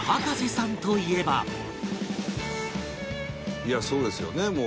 「いやそうですよねもう。